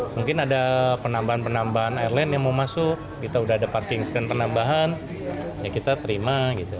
mungkin ada penambahan penambahan airline yang mau masuk kita udah ada parting stand penambahan ya kita terima gitu